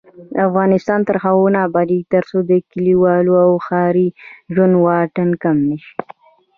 افغانستان تر هغو نه ابادیږي، ترڅو د کلیوالي او ښاري ژوند واټن کم نشي.